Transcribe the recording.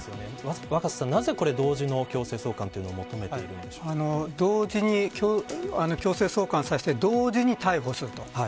若狭さん、なぜ同時の強制送還を同時に強制送還させて同時に逮捕すると。